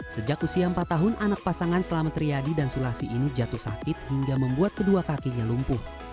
sejak usia empat tahun anak pasangan selamat riyadi dan sulasi ini jatuh sakit hingga membuat kedua kakinya lumpuh